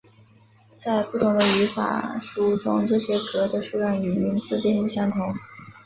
在不同的语法书中这些格的数量与名字并不相同。